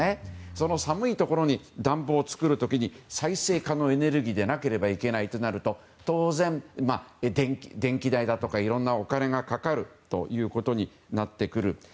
その寒いところに暖房を作る時に再生可能エネルギーでなければいけないとなると当然、電気代だとかいろんなお金がかかるということになってくる。